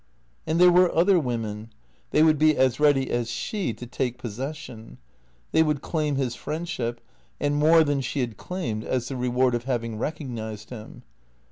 And there were other women. They would be as ready as she to take possession. They would claim his friendship, and more than she had claimed, as the reward of having recognized him.